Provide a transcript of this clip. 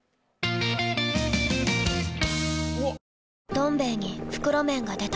「どん兵衛」に袋麺が出た